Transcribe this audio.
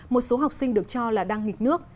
một số học sinh được cho là đang nghịch nước